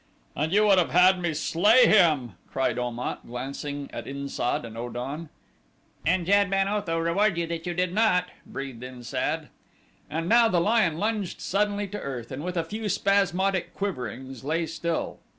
"And you would have had me slay him!" cried Om at, glancing at In sad and O dan. "Jad ben Otho reward you that you did not," breathed In sad. And now the lion lunged suddenly to earth and with a few spasmodic quiverings lay still.